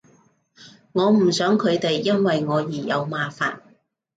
我唔想佢哋因為我而有麻煩